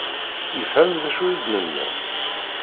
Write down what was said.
Yefhem d acu i d-nenna?